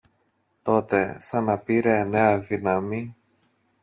Τότε σαν να πήρε νέα δύναμη